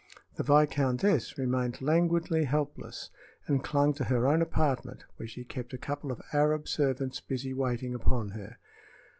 The viscountess remained languidly helpless and clung to her own apartment, where she kept a couple of Arab servants busy waiting upon her.